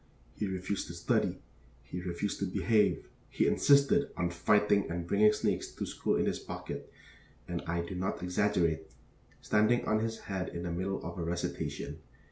He refused to study, he refused to behave, he insisted on fighting and bringing snakes to school in his pocket and I do not exaggerate standing on his head in the middle of a recitation.